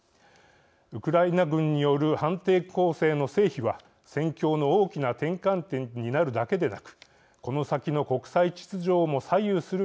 ウクライナ軍による反転攻勢の成否は戦況の大きな転換点になるだけでなくこの先の国際秩序をも左右する可能性をはらんでいます。